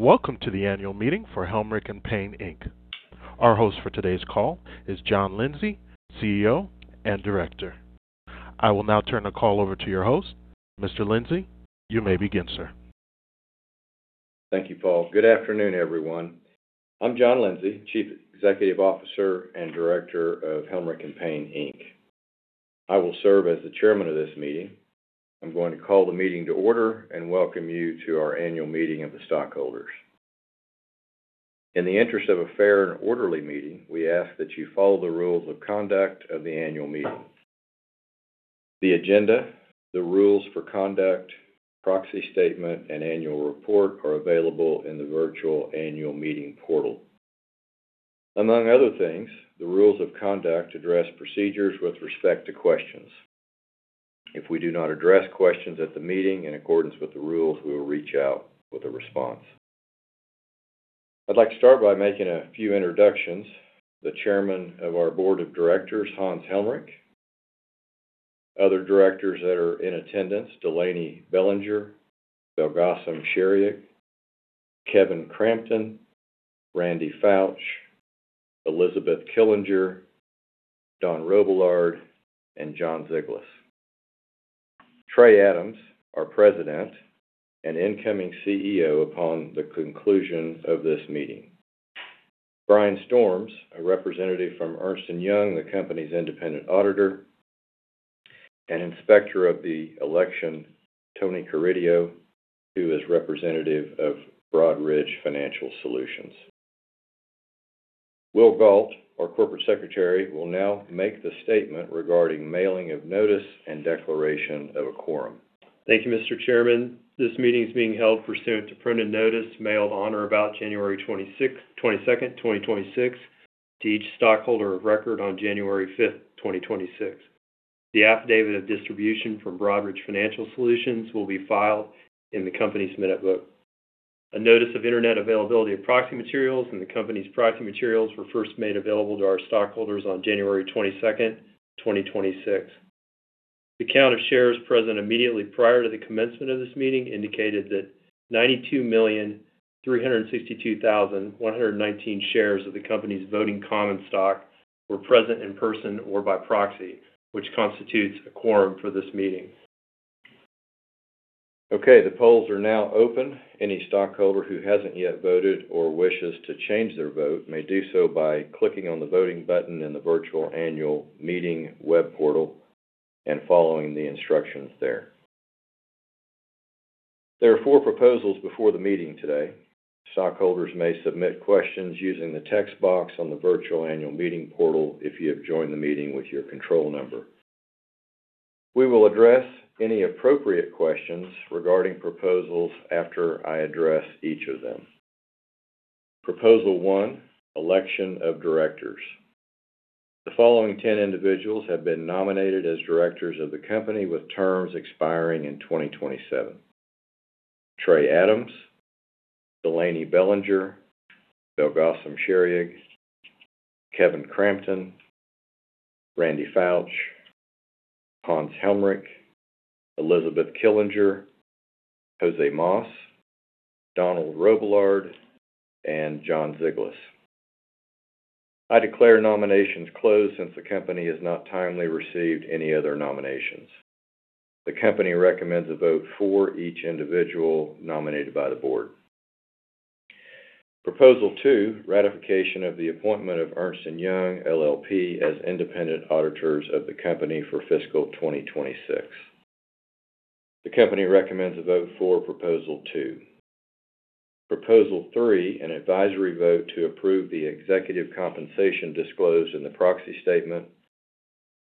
Welcome to the annual meeting for Helmerich & Payne, Inc. Our host for today's call is John Lindsay, CEO and Director. I will now turn the call over to your host. Mr. Lindsay, you may begin, sir. Thank you, Paul. Good afternoon, everyone. I'm John Lindsay, Chief Executive Officer and Director of Helmerich & Payne, Inc. I will serve as the chairman of this meeting. I'm going to call the meeting to order and welcome you to our annual meeting of the stockholders. In the interest of a fair and orderly meeting, we ask that you follow the rules of conduct of the annual meeting. The agenda, the rules for conduct, proxy statement, and annual report are available in the virtual annual meeting portal. Among other things, the rules of conduct address procedures with respect to questions. If we do not address questions at the meeting in accordance with the rules, we will reach out with a response. I'd like to start by making a few introductions. The Chairman of our board of directors, Hans Helmerich. Other directors that are in attendance, Delaney Bellinger, Belgacem Chariag, Kevin Cramton, Randy Foutch, Elizabeth Killinger, Don Robillard, and John Zeglis. Trey Adams, our President and incoming CEO upon the conclusion of this meeting. Brian Storms, a representative from Ernst & Young, the company's independent auditor. An Inspector of the Election, Tony Carideo, who is representative of Broadridge Financial Solutions. Will Galt, our Corporate Secretary, will now make the statement regarding mailing of notice and declaration of a quorum. Thank you, Mr. Chairman. This meeting is being held pursuant to printed notice mailed on or about January 22, 2026, to each stockholder of record on January 5, 2026. The affidavit of distribution from Broadridge Financial Solutions will be filed in the company's minute book. A notice of Internet availability of proxy materials and the company's proxy materials were first made available to our stockholders on January 22, 2026. The count of shares present immediately prior to the commencement of this meeting indicated that 92,362,119 shares of the company's voting common stock were present in person or by proxy, which constitutes a quorum for this meeting. Okay. The polls are now open. Any stockholder who hasn't yet voted or wishes to change their vote may do so by clicking on the voting button in the virtual annual meeting web portal and following the instructions there. There are 4 proposals before the meeting today. Stockholders may submit questions using the text box on the virtual annual meeting portal if you have joined the meeting with your control number. We will address any appropriate questions regarding proposals after I address each of them. Proposal one: election of directors. The following 10 individuals have been nominated as directors of the company with terms expiring in 2027. Trey Adams, Delaney Bellinger, Belgacem Chariag, Kevin Cramton, Randy Foutch, Hans Helmerich, Elizabeth Killinger, José Mas, Donald Robillard, and John Zeglis. I declare nominations closed since the company has not timely received any other nominations. The company recommends a vote for each individual nominated by the board. Proposal 2: ratification of the appointment of Ernst & Young LLP as independent auditors of the company for fiscal 2026. The company recommends a vote for proposal 2. Proposal 3: an advisory vote to approve the executive compensation disclosed in the proxy statement.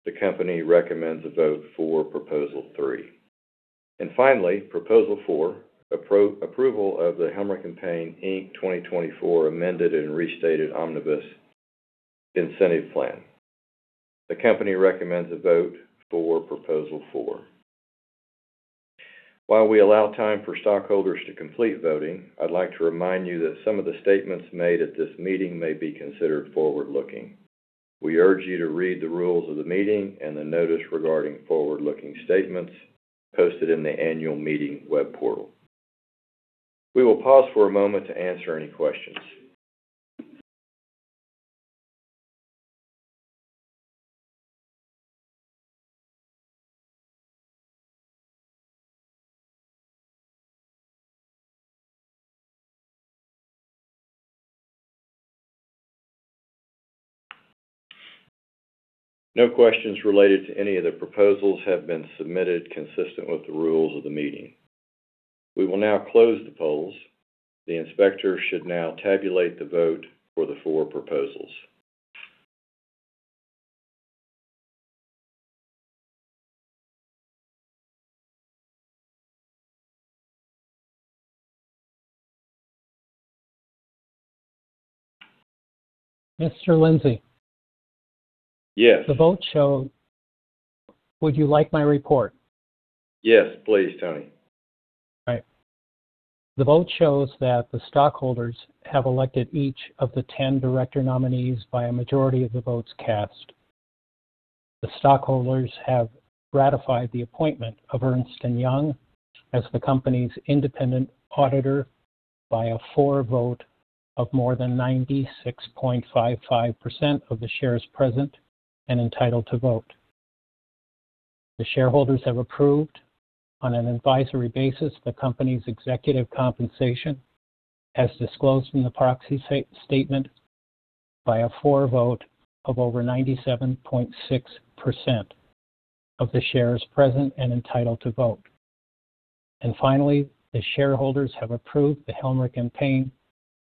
The company recommends a vote for proposal 3. Finally, proposal 4: approval of the Helmerich & Payne, Inc. 2024 Amended and Restated Omnibus Incentive Plan. The company recommends a vote for proposal 4. While we allow time for stockholders to complete voting, I'd like to remind you that some of the statements made at this meeting may be considered forward-looking. We urge you to read the rules of the meeting and the notice regarding forward-looking statements posted in the annual meeting web portal. We will pause for a moment to answer any questions. No questions related to any of the proposals have been submitted consistent with the rules of the meeting. We will now close the polls. The inspector should now tabulate the vote for the 4 proposals. Mr. Lindsay. Yes. Would you like my report? Yes, please, Tony. All right. The vote shows that the stockholders have elected each of the 10 director nominees by a majority of the votes cast. The stockholders have ratified the appointment of Ernst & Young as the company's independent auditor by a for vote of more than 96.55% of the shares present and entitled to vote. The shareholders have approved on an advisory basis the company's executive compensation, as disclosed in the proxy statement, by a for vote of over 97.6% of the shares present and entitled to vote. Finally, the shareholders have approved the Helmerich & Payne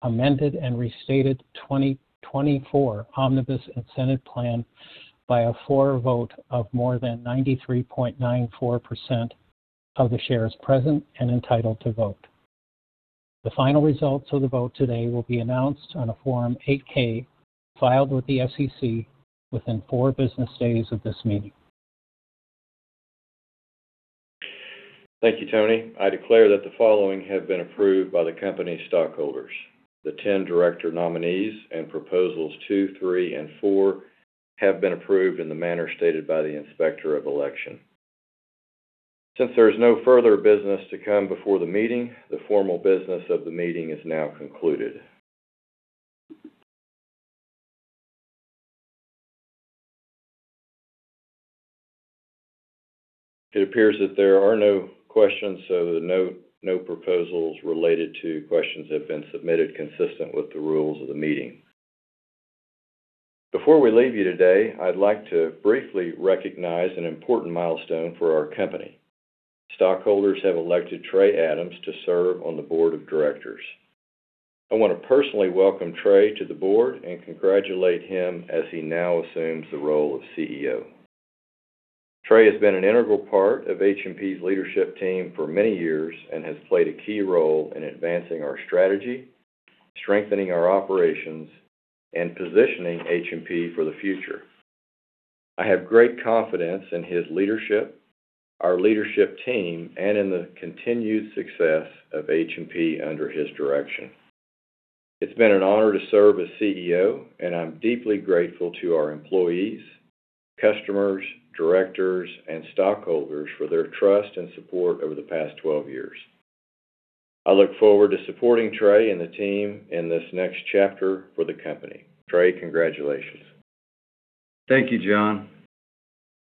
amended and restated 2024 Omnibus Incentive Plan by a for vote of more than 93.94% of the shares present and entitled to vote. The final results of the vote today will be announced on a Form 8-K filed with the SEC within 4 business days of this meeting. Thank you, Tony. I declare that the following have been approved by the company's stockholders. The 10 director nominees and proposals 2, 3, and 4 have been approved in the manner stated by the Inspector of Election. Since there is no further business to come before the meeting, the formal business of the meeting is now concluded. It appears that there are no questions, so no proposals related to questions have been submitted consistent with the rules of the meeting. Before we leave you today, I'd like to briefly recognize an important milestone for our company. Stockholders have elected Trey Adams to serve on the board of directors. I want to personally welcome Trey to the board and congratulate him as he now assumes the role of CEO. Trey has been an integral part of H&P's leadership team for many years and has played a key role in advancing our strategy, strengthening our operations, and positioning H&P for the future. I have great confidence in his leadership, our leadership team, and in the continued success of H&P under his direction. It's been an honor to serve as CEO, and I'm deeply grateful to our employees, customers, directors, and stockholders for their trust and support over the past 12 years. I look forward to supporting Trey and the team in this next chapter for the company. Trey, congratulations. Thank you, John.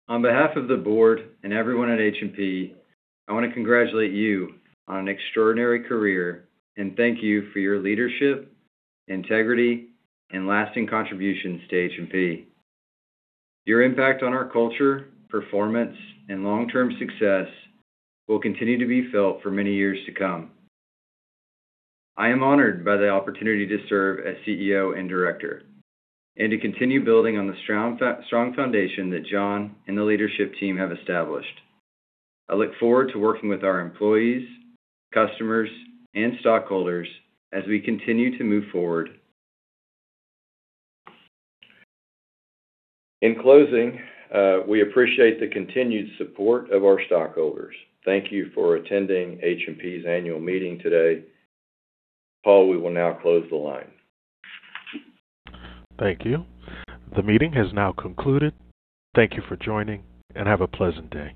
On behalf of the board and everyone at H&P, I want to congratulate you on an extraordinary career and thank you for your leadership, integrity, and lasting contributions to H&P. Your impact on our culture, performance, and long-term success will continue to be felt for many years to come. I am honored by the opportunity to serve as CEO and director and to continue building on the strong foundation that John and the leadership team have established. I look forward to working with our employees, customers, and stockholders as we continue to move forward. In closing, we appreciate the continued support of our stockholders. Thank you for attending H&P's annual meeting today. Paul, we will now close the line. Thank you. The meeting has now concluded. Thank you for joining, and have a pleasant day.